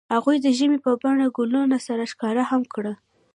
هغوی د ژمنې په بڼه ګلونه سره ښکاره هم کړه.